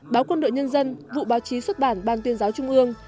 báo quân đội nhân dân vụ báo chí xuất bản ban tuyên giáo trung ương